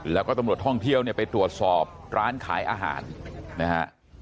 แล้วก็ตำรวจท่องเที่ยวเนี่ยไปตรวจสอบร้านขายอาหารนะฮะ